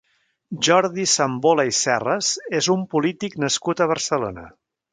Jordi Sambola i Serres és un polític nascut a Barcelona.